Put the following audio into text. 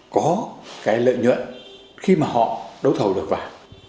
có cái lợi nhuận khi mà họ đấu thầu được vàng